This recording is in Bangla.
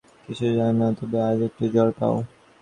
কিন্তু আজ নয়, তুমি আগে একটু জোর পাও।